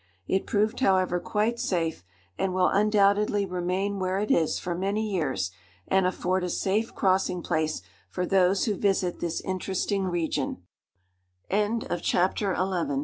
It proved, however, quite safe and will undoubtedly remain where it is for many years and afford a safe crossing place for those who visit this interesting region. CHAPTER XII.